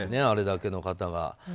あれだけの方が。